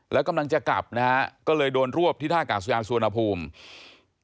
แล้วกำลังจะกลับนะฮะก็เลยโดนรวบที่ท่ากาศยานสุวรรณภูมิ